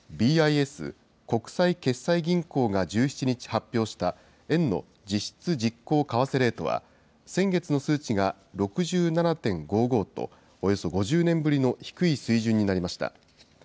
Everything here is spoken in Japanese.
ＢＩＳ・国際決済銀行が１７日発表した円の実質実効為替レートは、先月の数値が６７．５５と、およそ５０年ぶりの低い水準になりました。